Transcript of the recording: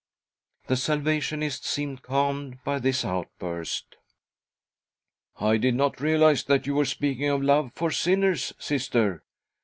The Salvationist seemed calmed by this out burst. " I did not realise that you were speaking of love for sinners, Sister."